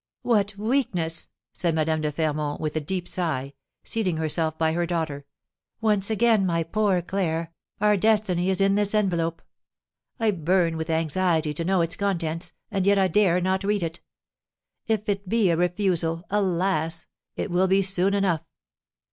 "What weakness!" said Madame de Fermont, with a deep sigh, seating herself by her daughter; "once again, my poor Claire, our destiny is in this envelope; I burn with anxiety to know its contents, and yet I dare not read it. If it be a refusal, alas, it will be soon enough!"